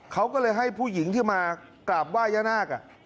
เขาก็เลยให้ผู้หญิงที่มากราบไหว้ย่านาค